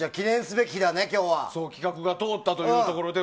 企画が通ったということで。